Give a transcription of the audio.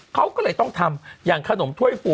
เขาก็เลยต้องทำอย่างขนมถ้วยฟู